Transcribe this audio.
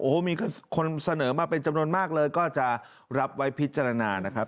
โอ้โหมีคนเสนอมาเป็นจำนวนมากเลยก็จะรับไว้พิจารณานะครับ